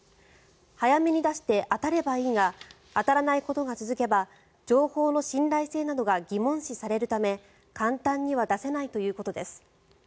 早めに出して当たればいいが当たらないことが続けば情報の信頼性などが疑問視されるため、簡単には出せないということです。